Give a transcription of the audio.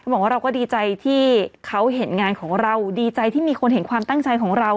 บอกว่าเราก็ดีใจที่เขาเห็นงานของเราดีใจที่มีคนเห็นความตั้งใจของเรา